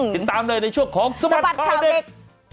ติดตามเลยในช่วงของสบัดข่าวเด็ก